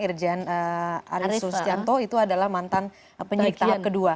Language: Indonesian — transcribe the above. irjen arisus janto itu adalah mantan penyelidik tahap kedua